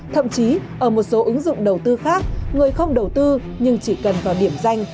thậm chí ở một số ứng dụng đầu tư khác người không đầu tư nhưng chỉ cần vào điểm danh